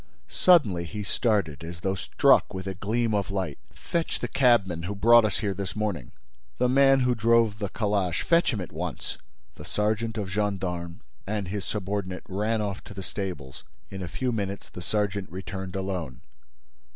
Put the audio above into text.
Suddenly, he started, as though struck with a gleam of light: "Fetch the cabman who brought us here this morning! The man who drove the calash! Fetch him at once!" The sergeant of gendarmes and his subordinate ran off to the stables. In a few minutes, the sergeant returned alone.